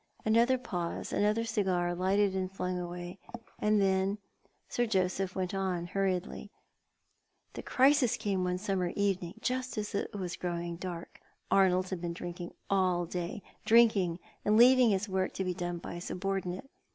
Another pause, another cigar lighted and flung away — and then Sir Joseph went on hurriedly. " The crisis came one summer evening just as it was growing dark. Arnold had been drinking all day — drinking, and leaving his work to be done by a subordinate.